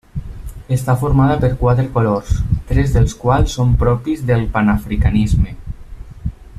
Està formada per quatre colors, tres dels quals són propis del panafricanisme.